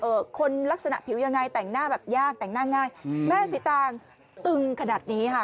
คนลักษณะผิวยังไงแต่งหน้าแบบยากแต่งหน้าง่ายอืมแม่สีตางตึงขนาดนี้ค่ะ